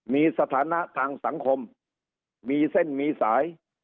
มีสถานะทางสังคมมีเส้นมีสาย